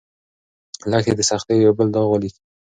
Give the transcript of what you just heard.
لښتې د سختیو یو بل داغ ولید.